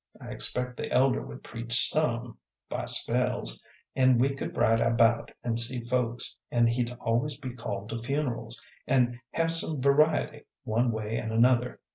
I expect the Elder would preach some, by spells, an' we could ride about an' see folks; an' he'd always be called to funerals, an' have some variety one way an' another.